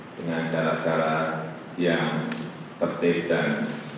dengan cara cara yang tertib dan